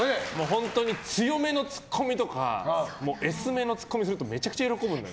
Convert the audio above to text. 本当に強めのツッコミとかＳめのツッコミとかするとめちゃめちゃ喜ぶんです。